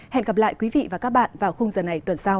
hẹn gặp lại quý vị và các bạn vào khung giờ này tuần sau